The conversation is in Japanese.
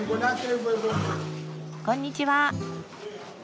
こんにちは。